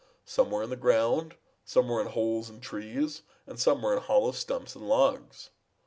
Some were in the ground, some were in holes in trees, and some were in hollow stumps and logs.